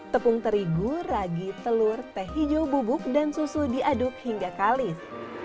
tepung terigu ragi telur teh hijau bubuk dan susu diaduk hingga kalis